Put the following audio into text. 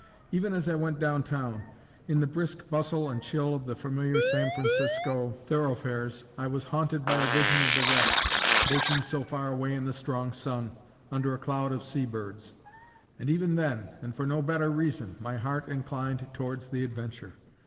Even as I went down town, in the brisk bustle and chill of the familiar San Francisco thoroughfares, I was haunted by a vision of the wreck, baking so far away in the strong sun, under a cloud of sea birds; and even then, and for no better reason, my heart inclined towards the adventure.